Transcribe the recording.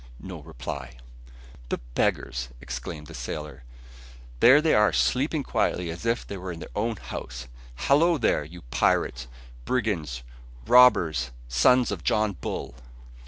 No reply. "The beggars," exclaimed the sailor. "There they are sleeping quietly as if they were in their own house. Hallo there, you pirates, brigands, robbers, sons of John Bull!".